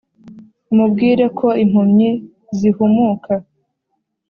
Umubwire ko impumyi zihumuka